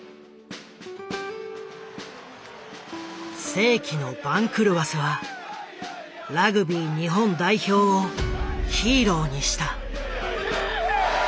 世紀の番狂わせはラグビー日本代表をヒーローにした。